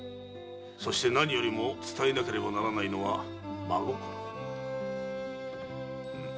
そして何よりも伝えなければならないのは真心。